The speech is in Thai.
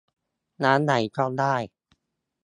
ร้านไหนก็ได้